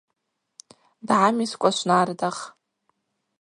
Дгӏамискӏва швнардах.